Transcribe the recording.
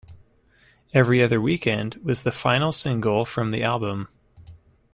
"Every Other Weekend" was the final single from the album.